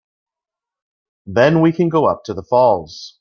Then we can go up to the falls.